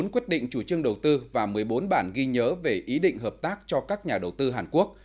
bốn quyết định chủ trương đầu tư và một mươi bốn bản ghi nhớ về ý định hợp tác cho các nhà đầu tư hàn quốc